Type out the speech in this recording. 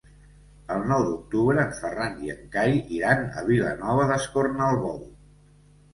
El nou d'octubre en Ferran i en Cai iran a Vilanova d'Escornalbou.